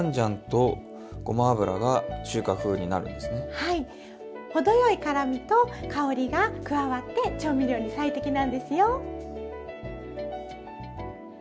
はい程よい辛みと香りが加わって調味料に最適なんですよ。